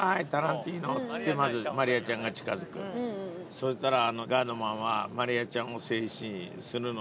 そしたら。